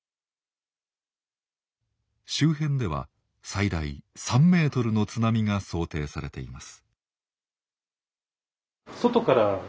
周辺では最大３ｍの津波が想定されています。